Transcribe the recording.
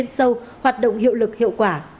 sâu hoạt động hiệu lực hiệu quả